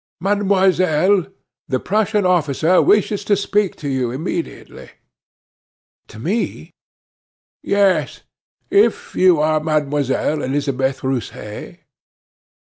"Mademoiselle, the Prussian officer wishes to speak to you immediately." "To me?" "Yes; if you are Mademoiselle Elisabeth Rousset."